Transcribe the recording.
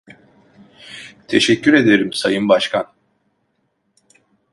Teşekkür ederim Sayın Başkan.